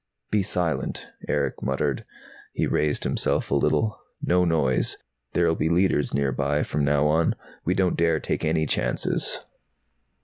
"Be silent," Erick muttered. He raised himself a little. "No noise. There'll be Leiters nearby, from now on. We don't dare take any chances."